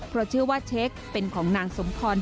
เพราะเชื่อว่าเช็คเป็นของนางสมพร